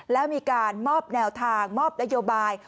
แล้วมีการมอบแนวทางมอบนโยบาย